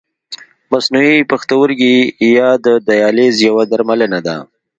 مصنوعي پښتورګی یا دیالیز یوه درملنه ده.